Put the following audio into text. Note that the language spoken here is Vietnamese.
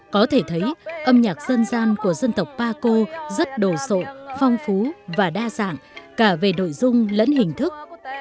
có thể thấy âm nhạc dân gian của dân tộc paco rất đồ sộ phong phú và đa dạng cả về nội dung lẫn hình thức